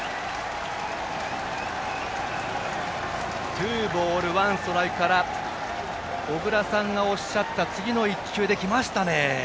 ツーボールワンストライクから小倉さんがおっしゃった次の１球できましたね。